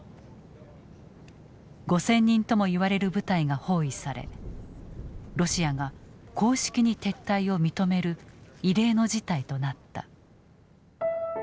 ５，０００人ともいわれる部隊が包囲されロシアが公式に撤退を認める異例の事態となった。